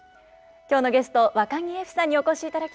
今日のゲストわかぎゑふさんにお越しいただきました。